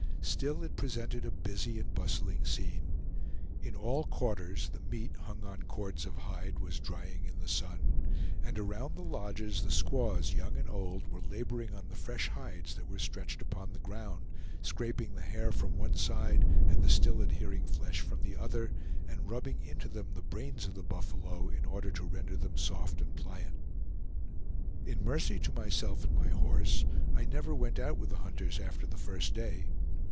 Still it presented a busy and bustling scene. In all quarters the meat, hung on cords of hide, was drying in the sun, and around the lodges the squaws, young and old, were laboring on the fresh hides that were stretched upon the ground, scraping the hair from one side and the still adhering flesh from the other, and rubbing into them the brains of the buffalo, in order to render them soft and pliant. In mercy to myself and my horse, I never went out with the hunters after the first day.